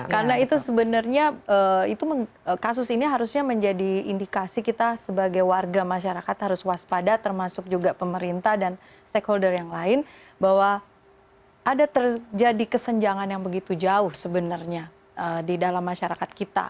karena itu sebenarnya kasus ini harusnya menjadi indikasi kita sebagai warga masyarakat harus waspada termasuk juga pemerintah dan stakeholder yang lain bahwa ada terjadi kesenjangan yang begitu jauh sebenarnya di dalam masyarakat kita